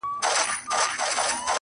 له دې زړو نه ښې ډبري د صحرا وي,